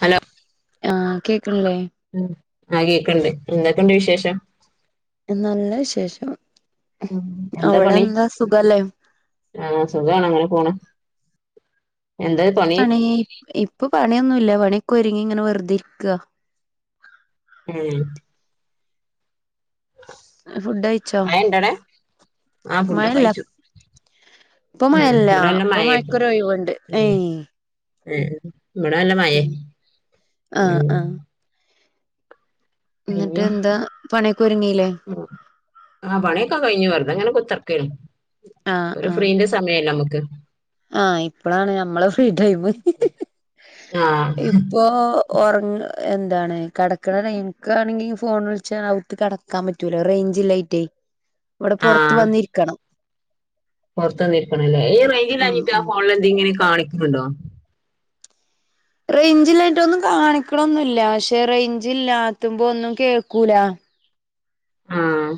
Hello ആഹ് കേക്ക്ണില്ലേ? ഉം ആഹ് കേക്ക്ണ്ട് എന്തൊക്കെയുണ്ട് വിശേഷം? നല്ലവിശേഷം ഉം അവടെന്താ സുഖല്ലേ? ഉം സുഖാണ് അങ്ങനെപോണ്. പണി ഇപ്പൊപണിയൊന്നുല്ല പണിയൊക്കെരുങ്ങി ഇങ്ങനെ വെറുതെരിക്കാ. ഉം ആ ഫുഡയിച്ചോ മഴണ്ടടെ ആ ഫുഡൊക്കെ മഴല്ല കഴിച്ചു ഇപ്പോ ഉം മയല്ല ഇവിടെ നല്ല മഴേപ്പം ഇപ്പൊമയക്കൊരു ഒഴിവുണ്ട് ഉം എയ് ഉം ഇവടെ നല്ലമയേ ആഹ് ഉം പിന്നെ ന്നട്ട്ന്താ പണിയൊക്കൊരുങ്ങിലേ? ആഹ് പണിയൊക്കെ കയിഞ്ഞു വെർതെങ്ങനെ കുത്തർക്കയ്നി ആഹ് ആഹ് ഒരുഫ്രീന്റെ സമയല്ലെഅമ്മക്ക് ആഹ് ഇപ്പളാണ് ഞമ്മളെ ഫ്രീ ടൈമ് ആ ഇപ്പോ ഒർങ്ങ എന്താണ്കടക്കണ ടൈ ഇൻക്കാണെങ്കി ഫോൺവിളിച്ച അവുത്ത്കട ക്കാൻപറ്റൂല റേയ്ഞ്ചല്ലായ്റ്റെയ് [inaudible] ഇവടെ പൊർത്ത് വന്നിരിക്കണം. പുറത്ത് വന്നിരിക്കണല്ലേ ഈ ഉം റേയ്ഞ്ചില്ലാഞ്ഞിട്ട് ആ ഉം ഫോണിലെന്തെങ്കിലും കാണിക്ക്ണ്ണ്ണ്ടോ? റേയ്ഞ്ചിലായിട്ടൊന്നും കാണിക്കണൊന്നുല്ല പക്ഷെ റേഞ്ചയ് ല്ലാത്തുമ്പോ ഒന്നുംകേൾക്കൂല ആഹ്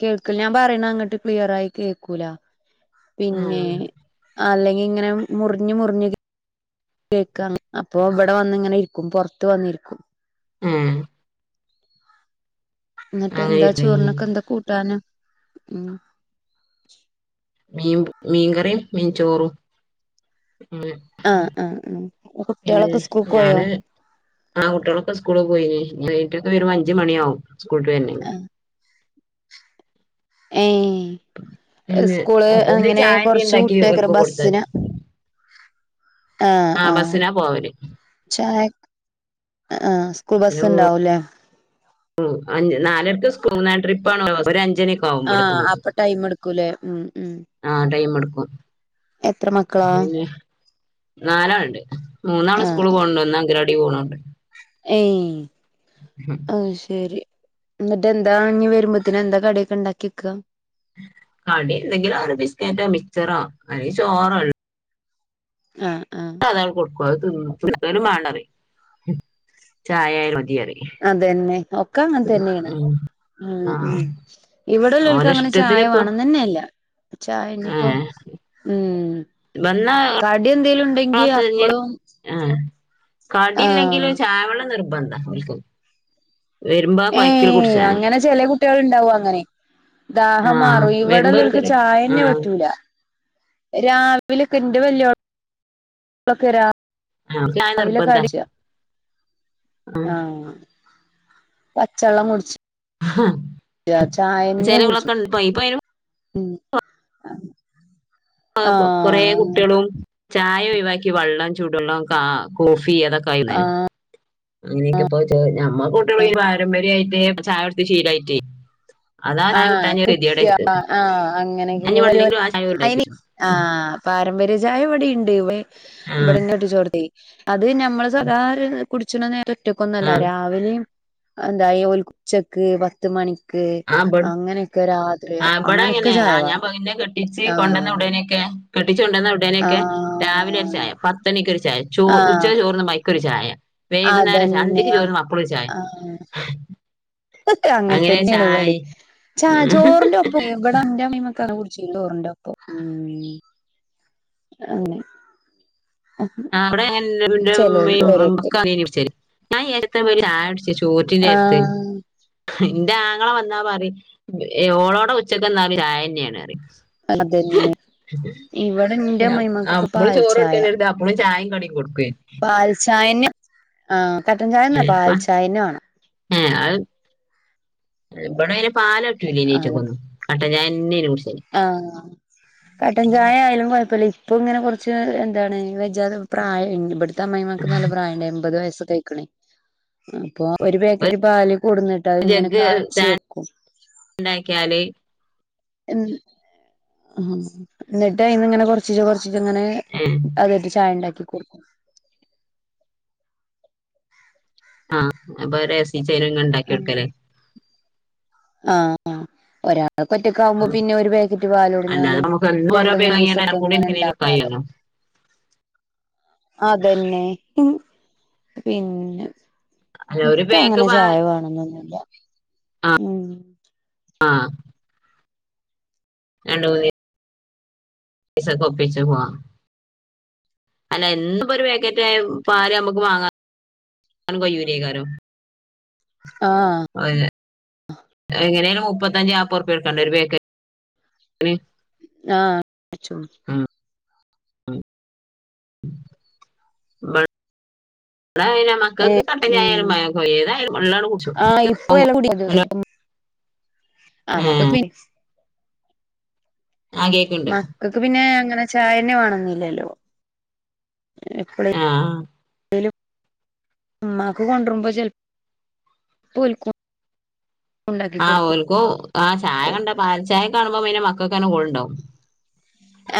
കേൾക്ല ഞാൻപറയണ അങ്ങട്ട് ക്ലിയറായി കേക്കൂല ആ പിന്നെ അല്ലെങ്കിങ്ങനെ മുറിഞ്ഞ് മുറിഞ് കേക്ക അപ്പൊവടെവന്നിങ്ങനെരിക്കും പുറത്ത് വന്നിരിക്കും. ഏഹ് അങ്ങനെ ന്നട്ടെന്താ ഇരിക്കണ്. ചോറിനൊക്കെന്താ കൂട്ടാന് ഉം മീം മീൻകറിയും മീൻചോറും ഉം ആഹ് ആഹ് ആഹ് പിൽ കുട്ടികളൊക്കെ സ്കൂൾക്ക് പോയോ ഞാന് ആ കുട്ടികളൊക്കെ സ്കൂൾ പോയീനി ബെയ്റ്റൊക്കെ വെരുമ്പോഅഞ്ച് മണിയാവും സ്കൂൾട്ട് വെരെന്നെങ്കി ഏഹ് പിന്നെ സ്കൂള് അപ്പൊ എന്ത് അങ്ങനെ ചായ എന്തെ കൊർച്ച് ഉണ്ടാക്കി ഓൽക്ക് വുട്ടേക്കരിം കൊടുത്തത് ബസ്സിന അ ആ ആഹ് ബസ്സിനാ പോവല് ചായ അഹ് ആഹ് സ്കൂൾ ബസ്സിന് ബസ്സ് പോ ഉണ്ടാവൂല്ലെ അഞ്ച് നാലര്ക്ക് സ്കൂ മൂന്നാം ട്രിപ്പ് ആണോ ഒരു അഞ്ചണി ആഹ് അപ്പ ടൈം എടുക്കൂലേ ഉം ഉം ആഹ് ടൈം എടുക്കും എത്ര മക്കളാ പിന്നേ നാലാള്ണ്ട് മൂന്നാള് ആ സ്കൂള് പോണണ്ട് ഒന്ന് അങ്കനവാടി പോണൂണ്ട് ഏയ് ആഅ് ശരി എന്നിട്ട് എന്താ ഇഞ് വരുമ്പോത്തിന് എന്താ കടിയൊക്കെ ഇണ്ടാക്കെക്ക കടി എന്തെങ്കിലും അവരു ബിസ്കേറ്റോ മിക്ചറോ അല്ലേ ചോറള്ളു അ ആഹ് അതങ്ങട്ട് കൊടുക്കും അഹ് തിന്നും തിന്ന മാണ്ടറിം ചായയായാലും മതി അറിം അതന്നെ ഒക്കെ അങ്ങൻ തന്നെയാണ് ആഹ് ആ ഉം ഇവടെള്ളോൽക്ക് ഓലെ അങ്ങനെ ഇഷ്ടത്തിന് ചായ ഇപ്പൊ വാണന്നെനെ ഇല്ല ചായ ഇഞ്ഞിപ്പോ ഉം ബന്നോ കടി എന്തേലും ഉണ്ടോയ് [unintelligible] ആഹ് ആ കടില്ലെങ്കില് ചായവള്ളം നിർബന്ധ ഓൽക്ക്‌ ഏഹ് കുടിച്ചാന് അങ്ങനെ ചെല കുട്ട്യള് ഉണ്ടാവു അങ്ങനെ ആ ദാഹം മാറു വരുമ്പോ ഇവിടല്ലോൽക്ക് ഒര് ആ ചായന്നേ പറ്റൂല രാവിലക്കെന്റെ വല്ല്യോൾ ളക്കരാ ആഹ് ചായ നിർബന്ധ ആ പച്ചള്ളം കുടിച്ചി ആഹ് കുടിച്ചു ചേരുവകളൊക്കെ ഇ പൈ പൈ ഉം ആഹ് ആഹ് പ്പൊ കൊറെ കുട്ട്യേളും ചായ ഒയിവാക്കി വള്ളം ചൂട് വള്ളം കാ കോഫി അതൊക്കെ ആയിന്നേന് ആഹ് അങ്ങനെയൊക്കെപ്പോൾ ചേ നമ്മ കൂട്ടികയ്യി പാരമ്പര്യായിട്ടേ ചായടുച്ചി ശീലയിട്ടേ ആഹ് കുട്ട്യ ആഹ് ഞാൻ അങ്ങനിങ്ങനെ ഇനി വലിയോല് വെള്ളെങ്കിലും ആ ചായ ഉണ്ടാക്കി അയിന് വെച്ചു. ആഹ് പാരമ്പര്യ ചായ ഇവിടെ ഇണ്ട് ഇവെ ആ ഇവിടെ ഇന്നേട്ടിച്ചോട്ത്തേ അത് നമ്മള് സ്വാകാര കുടിച്ച്ണ ആ നേരറ്റക്കൊന്നല്ല രാവിലിം അഅ് എന്തായി ഓൽക്ക് ഉച്ചക്ക് പത്ത് മണിക്ക് അങ്ങനെയൊക്കെ രാത്രി ആഹ് ഇബടെ അങ്ങനെ അങ്ങനെയൊക്കെ ചായ ആഹ് ഞാൻ വേണം ഇപ്പ ഇന്നേ കെട്ടിച്ച് കൊണ്ടന്ന് ആഹ് ഉടനെ ക്കെ കെട്ടിച്ചുകൊണ്ടന്ന ഉടനേക്കെ രാവിലെ ഒരു ആഹ് ചായ പത്തണിക്ക്‌ ഒരു ചായ ചോ ഉച്ചക്ക്‌ ആഹ് ചോർന്ന് ചോർന്ന് മ്പോ അയ് ക്ക ഒരു ചായ വൈകുന്നേരം അതന്നെ അന്തിക്ക് ചോറുന്നുമ്പോ അപ്പളൊരു ചായ ക്കെ അങ്ങൻ അങ്ങനെ തന്നേണ് ചായ ഇവടിം ചാ ഉം. ചോറിന്റെ ഒപ്പം ഇവടെന്റെ അമ്മീമ്മക്ക് അത് കുടി ച്ചി ചോറിൻ്റൊപ്പം ഉം അങ്ങനെ ആഹ് ഇബടെ എൻ [unintelligible] ചെലോല് ൻ്റുമ്മയു ഓരോരുത്തര് അറിയേനി കുടിച്ചേര് [unintelligible] ചായോടിച്ചി ചോറ്റിന്റെര്ത്ത് ആഹ് ഇന്റെ ആങ്ങള വന്നാ പറിം ഓളോടെ ഉച്ചക്കന്നാല് ചായന്നെയാണറിം അതന്നെ ഇവിടെ എന്റെ അ അമ്മായിമ്മക്കൊക്കെ അമ്മള് ചോറാടുക്കന്നേണ് ലാം ഓള് ചായിം കടിം കൊടുക്കേനു പാൽചായന്നെ ആഹ് കട്ടൻ ചായന്നെ പാൽചായന്ന വേണം ഏഹ് അഹ് ഇബടയിന് പാലറ്റൂലേലേറ്റി അത് കൊന്നും കട്ടൻ ചായന്നേനി കുടിച്ചല് ആഹ് കട്ടൻ ചായ ആയാലും കൊയപ്പല്ല ഇപ്പൊ ഇങ്ങനെ കുറച്ച് എന്താണ് വെജ്ജാതെ പ്രായ ഇ ഇബട്ത അമ്മായിമാക്ക് നല്ല പ്രായണ്ട് എമ്പപത് വയസ്സ ക അപ്പൊ ഒരു പാക്കറ്റ് പാല് കൊടുന്നിട്ട് അതിങ്ങനെ കാച്ചി വെക്കും ണ്ടാക്കിയാല് ആഹ് ന്നിട്ട് അയിന്ന് ഇങ്ങനെ കൊറ കൊർച്ചീച്ചെ കൊർച്ചീച്ചങ്ങനെ അതായിട്ട് ചായണ്ടാക്കി കൊട് ആഹ് അപ്പൊ രസിച്ചേന ങ്ങ ണ്ടാക്കി കൊടുക്കല്ലേ. ആഹ് ആ ഒരാ ആ, ഇങ്ങക്കൊറ്റകാവുമ്പോ പിന്നെ ഒരു പേക്കറ്റ് പാല്‌ അല്ലാതെ കൊട്‌ന്നാലും നമുക്ക് എന്നും ഓരോ രണ്ട് പേക്ക് വാങ്ങിയാൽ കൂടി മൂന്നീസൊക്കെങ്ങനെ ഇണ്ടാകാ ലോ. കഴിയല്ലോ അതെന്നെ പിന്നെ? അല്ല ഒരു പേക്ക് ഇക്കങ്ങനെ പാ ചായ വേണന്നൊന്നുല്ല്യ. ആഹ്. രണ്ട്മൂന്നി പൈസൊകൊപ്പിച്ച് പോവാ. അല്ല എന്നുംപ്പം ഒരു പേക്കറ്റ് പാല് അമ്മക്ക് വാങ്ങാനും കയൂലയ്ക്കാരം. ആഹ്. [unintelligible] എങ്ങനേലും മുപ്പത്തഞ്ച് ന്നാബൊർ ബ്യ കൊട്കണ്ടേ ഒരു ബേ [unintelligible] ആഹ് [inaudible] [inaudible] [unintelligible] മക്കക്ക് ഏഹ് കട്ടൻ ഉം ചായയാലും [unintelligible] ഏതായാലും വള്ളാണ്ട് കുട്ച്ചും. [unintelligible] ആ കേക്ണ്ട്. ഇകക്ക് പിന്നെ അങ്ങനെ ചായന്നെ വേണൊന്നില്ലല്ലോ എപ്പ ആ ഇമ്മാക്ക് കൊട്രുമ്പം ചെൽമ്പോൽക്കും ആഹ് ഓൽക്കോ ആ ചായ കണ്ട പാൽ ചായ കാണുമ്പം പിന്നെ മക്കൾക്കെന്നെ കോൾണ്ടാവും.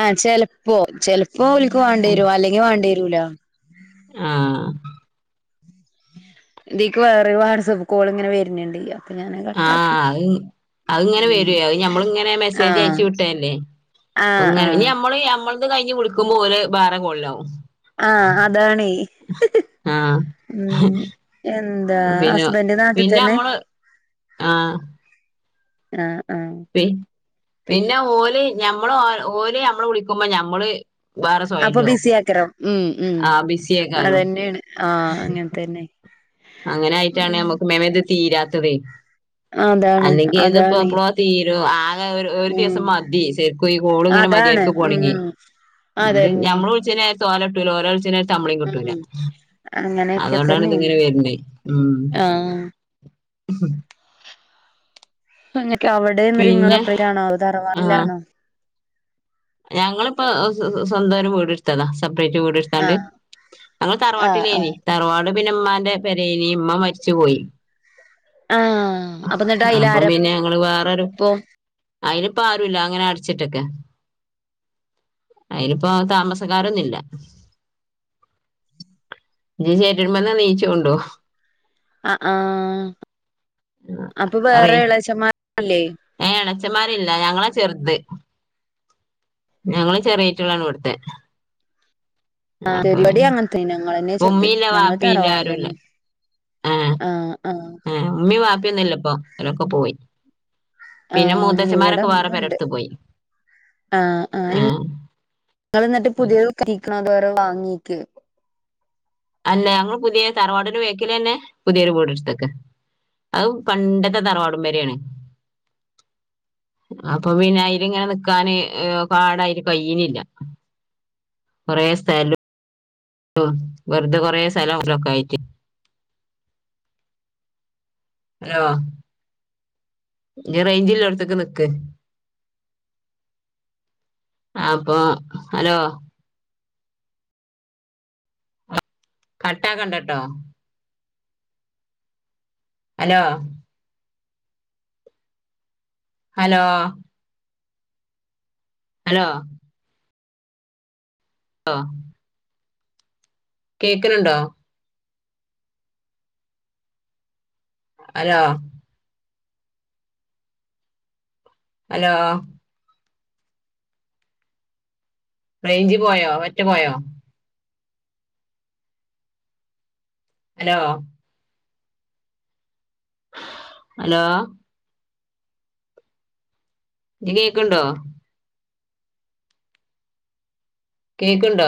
ആ ചെലപ്പോ ചെലപ്പോ ഓൽക്ക് വാണ്ട്യരും അല്ലെങ്കി വാണ്ടി വരൂല. ആഹ് ഇതീക്ക് വേറെ വാട്സപ്പ് കോൾ ഇങ്ങനെ വര്ന്ടെ ആആഹ് അഹ്ങ്ങനെ ഉം വര്യേ അഹ് ഞമ്മള്ങ്ങനെ മെസ്സേജ് ആഹ് അയച്ച് വിട്ടല്ലേ. ആഹ് ഇങ്ങനെ ആഹ് ഇഞ്ഞ് നമ്മള് നമ്മൾത് കയ്ഞ്ഞ് വിളിക്കുമ്പോ ഓല്‌ വേറെ കോളിലാവും. ആഹ് അതാണേ ആഹ് മ്. എന്താ പിന്നെ ഹസ്ബന്റ് നാട്ടിൽ പിന്നെ തന്നെ? നമ്മള് ആഹ് ആഹ് ആഹ്. പി പിന്നെ ഓല ഞമ്മള് ഓ ഓല നമ്മള് വിളിക്കുമ്പോ ഞമ്മള് വേറെ അപ്പൊ സൊയലും ആവും ബിസി ആക്കരം ഉം ഉം ആ ബിസിയേക്കാരും അതന്നെയാണ് ആ അങ്ങൻത്തന്നെ അങ്ങനായിട്ടാണ് നമ്മക്ക് മേം മേംത് തീരാത്തതെ. അതാണ് അല്ലെങ്കിത് പ അതാണ് പ്ലോ തീരും ആകെ ഒര് ഒരു ഉം ദിവസം മതി ശരി ഈ കോള്ങ്ങനെ അതാണ് മര്യാര്ക്ക് പോണ്ല്യ ഉം ഇത് അതന്നെ നമ്മളുൾച്ച്ണേര്ത് ഓലട്ടൂല ഓലെൾച്ച്ണേര തമ്മളിം കിട്ടൂല ഉം അങ്ങനെയൊക്കെ അതോണ്ടാണിത് തന്നെയാണ് ഇങ്ങനെവര്ന്നെ മ്. ആഹ്. പിന്നെ [unintelligible] തറവാട്ടിലാണോ? ഞങ്ങള്പ്പം സ്വന്തായിട്ട്‌ വീടെട്ത്തതാ സെപ്രയ്റ്റ് വീട്. താണ്ട് ആഹ് ഞങ്ങൾ ആഹ് ആഹ് തറവാട്ടിലേനി തറവാട് പിന്നെ ഇമ്മാന്റെ പെരെനി ഇമ്മ മര്ച്ച് പോയി. ആഹ് അപ്പൊ എന്നിട്ട് അയില് അപ്പം ആരാപ്പോ പിന്നെ ഞങ്ങള് വേറൊരു അയ്ലിമ്പോ ആരുല്ല അഹ്ങ്ങനെ അട്ച്ചിട്ടക്കാ. അയ്ന്പ്പോ താമസക്കാരൊന്നുല്ല. ഇജ് ചേന്റെടിമെന്ന്‌ നീച്ചോണ്ണ്ണ്ടോ? ആഹ് ആ ഹഅപ്പൊ വേറെ എളെച്ചന്മാര്ല്ലേ ഏ എളച്ചന്മാരില്ല ഞങ്ങളാ ചെറുത്. ഞങ്ങള് ചെറ്യാറ്റങ്ങളാണിവ്ട്ത്തെ. ആഹ് അപ്പൊ ഇവിടെ അങ്ങനത്തന്നെ ഞങ്ങളന്നെ പിന്നെ ചെറുത് ഉമ്മില്ല ഞങ്ങള് വാപ്പില്ല ആാരുംല്ല. തറവാട്ടിലന്നെ ഏ ആഹ് ആഹ് ഏ ഉമ്മിം വപ്പിന്നുല്ലപ്പൊ ഓലൊക്കെ പോയി. പിന്നെ ആഹ് ഇവിടെ മൂത്തച്ഛന്മാരൊക്കെ വേറെ ഉമ്മ ഉണ്ട് പെരടുത്ത് പോയി. ഏഹ് നിങ്ങൾ എന്നിട്ട് പുതിയ കഴിക്കണോ അതോരോ വാങ്ങിക്ക്. അല്ല ഞങ്ങള് പുതിയ തറവാടന് വേക്കില് തന്നെ പുതിയൊരു വീടെടുത്തൊക്കെ അത് പണ്ടത്തെ തറവാടും പെരയാണ്. അപ്പം പിന്നെ ഇതിങ്ങനെ നിക്കാന് ഏഹ് പാടായിട്ട് കഴിയിണില്ല. കൊറേ സ്ഥല വെറുതെ കുറെ സ്ഥലൊക്കെ ആയിട്ടു. ഹലോ ഇനി റേഞ്ച് ഇള്ളടത്തേക്ക് നിക്ക്. അപ്പൊ ഹലോ. കട്ടാക്കണ്ടട്ടോ ഹലോ ഹലോ ഹലോ ഓഹ് കേൾക്കനുണ്ടോ ഹലോ ഹലോ റേഞ്ച് പോയോ പറ്റ പോയോ. ഹലോ അലോ ഇനി കേൾക്കണ്ടോ. കേക്കുണ്ടോ.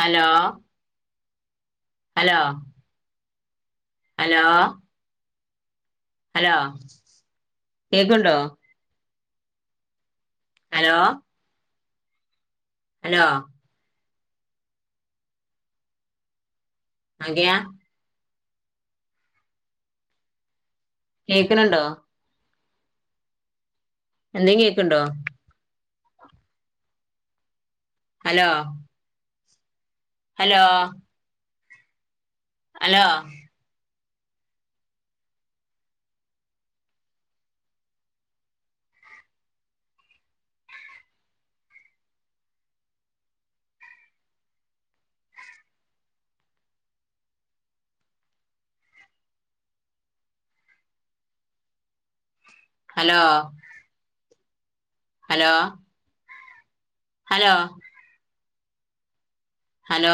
ഹലോ ഹലോ ഹലോ ഹലോ കേക്കണ്ടോ. Hello hello [unintelligible] കേക്കനുണ്ടോ. എന്തെങ്കിലും കേക്കണ്ടോ. Hello hello hello hello hello hello hello